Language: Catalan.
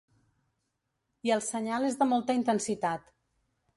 I el senyal és de molta intensitat.